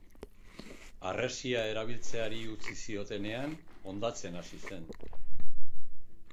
Harresia erabiltzeari utzi ziotenean hondatzen hasi zen.